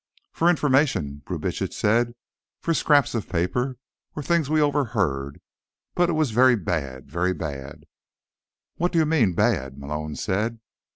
"For information," Brubitsch said. "For scraps of paper, or things we overheard. But it was very bad, very bad." "What do you mean, bad?" Malone said.